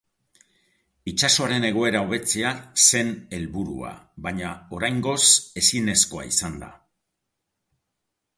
Itsasoaren egoera hobetzea zen helburua, baina oraingoz ezinezkoa izan da.